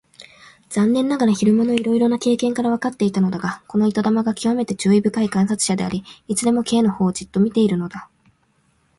残念ながら昼間のいろいろな経験からわかっていたのだが、この糸玉がきわめて注意深い観察者であり、いつでも Ｋ のほうをじっと見ているのだ。